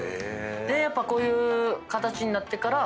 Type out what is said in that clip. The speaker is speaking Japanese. やっぱこういう形になってから増えました。